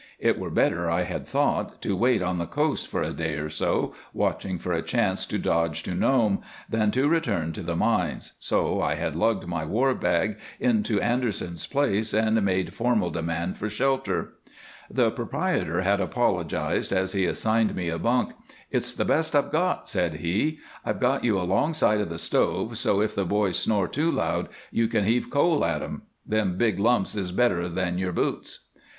It were better, I had thought, to wait on the coast for a day or so, watching for a chance to dodge to Nome, than to return to the mines, so I had lugged my war bag into Anderson's place and made formal demand for shelter. The proprietor had apologized as he assigned me a bunk. "It's the best I've got," said he. "I've put you alongside of the stove, so if the boys snore too loud you can heave coal on 'em. Them big lumps is better than your boots."